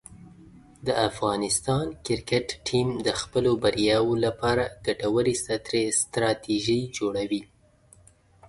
د افغانستان کرکټ ټیم د خپلو بریاوو لپاره ګټورې ستراتیژۍ جوړوي.